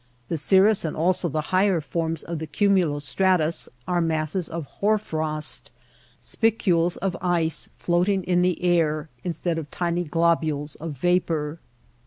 The cirrus and also the higher forms of the cumulo stratus are masses of hoar frost, spicules of ice floating in the air, instead of tiny glob ules of vapor.